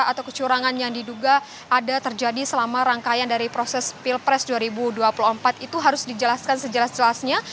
atau kecurangan yang diduga ada terjadi selama rangkaian dari proses pilpres dua ribu dua puluh empat itu harus dijelaskan sejelas jelasnya